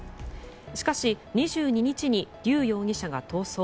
しかし２２日にリュウ容疑者が逃走。